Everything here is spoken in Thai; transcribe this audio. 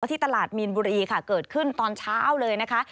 ที่ตลาดมีนบุรีค่ะเกิดขึ้นตอนเช้าเลยนะคะ